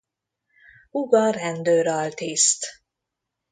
Húga rendőr altiszt.